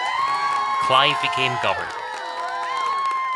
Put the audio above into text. Clive became governor.